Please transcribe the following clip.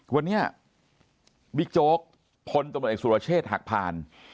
วันนี้บิ๊กโจ๊กพลตำรวจเอกสุรเชษฐ์หักผ่าน